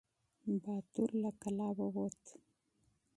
باتور له کلا ووت.